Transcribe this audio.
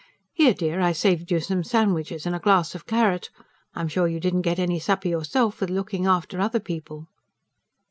Here, dear, I saved you some sandwiches and a glass of claret. I'm sure you didn't get any supper yourself, with looking after other people."